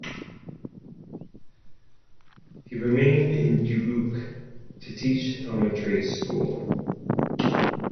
He remained in Dubuque to teach elementary school.